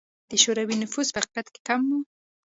د شوروي نفوس په حقیقت کې کم و.